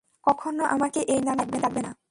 কখনও আমাকে এই নামে আর ডাকবে না!